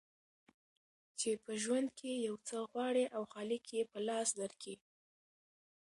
چي په ژوند کي یو څه غواړې او خالق یې په لاس درکي